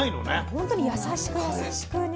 ほんとに優しく優しくね。